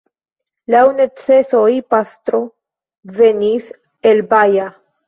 Laŭ necesoj pastro venis el Baja.